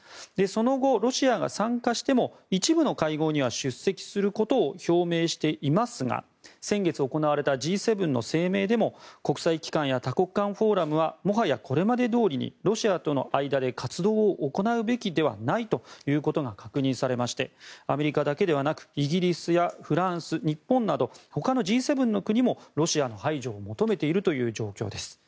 その後、ロシアが参加しても一部の会合には出席することを表明していますが先月行われたＧ７の声明でも国際機関や多国間フォーラムはもはやこれまでどおりにロシアとの間で活動を行うべきではないということが確認されましてアメリカだけではなくイギリスやフランス、日本などほかのＧ７の国もロシアの排除を求めているという状況です。